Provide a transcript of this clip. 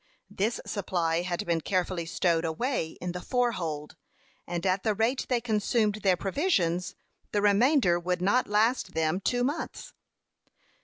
This supply had been carefully stowed away in the fore hold, and at the rate they consumed their provisions, the remainder would not last them two months.